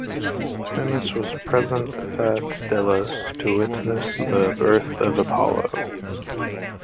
Themis was present at Delos to witness the birth of Apollo.